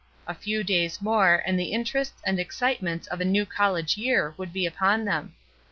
A few days more and the interests and excitements of a new college year would be upon them.